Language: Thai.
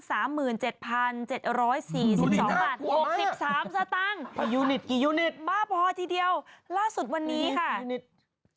๖๓ซะตั้งบ้าพอทีเดียวล่าสุดวันนี้ค่ะยูนิตกี่ยูนิต